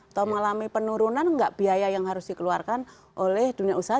atau mengalami penurunan nggak biaya yang harus dikeluarkan oleh dunia usaha